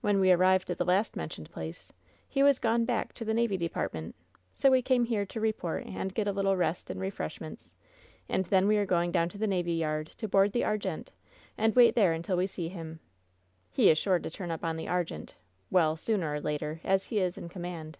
When we arrived at the last mentioned place he was gone back to the navy department. So we came here to report and get a little rest and refreshments, and then we are going down to the navy yard to board the Argente and wait there until we see him. He is sure to turn up on the Argente — well — sooner or later, as he is in command."